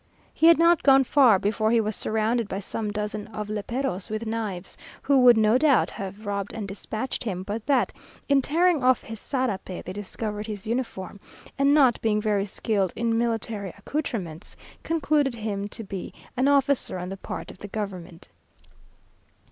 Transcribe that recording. He had not gone far before he was surrounded by some dozen of léperos with knives, who would, no doubt, have robbed and despatched him, but that in tearing off his sarape they discovered his uniform, and not being very skilled in military accoutrements, concluded him to be an officer on the part of the government.